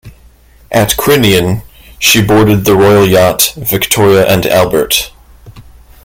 At Crinan she boarded the royal yacht "Victoria and Albert".